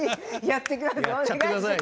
やっちゃってください。